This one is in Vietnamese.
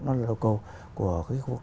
nó là đầu cầu của khu vực